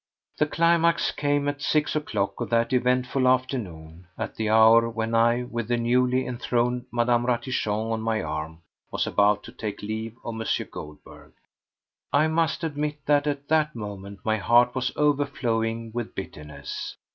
The climax came at six o'clock of that eventful afternoon, at the hour when I, with the newly enthroned Mme. Ratichon on my arm, was about to take leave of M. Goldberg. I must admit that at that moment my heart was overflowing with bitterness.